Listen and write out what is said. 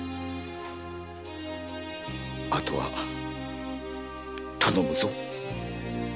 あとは頼むぞ。